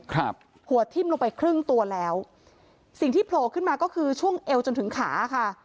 ครับหัวทิ้มลงไปครึ่งตัวแล้วสิ่งที่โผล่ขึ้นมาก็คือช่วงเอวจนถึงขาค่ะ